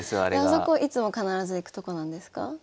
あそこいつも必ず行くとこなんですか？